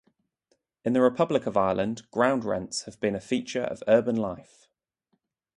In the Republic of Ireland ground rents have been a feature of urban life.